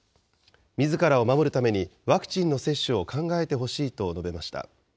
みずからを守るために、、ワクチンの接種を考えてほしいと述べました。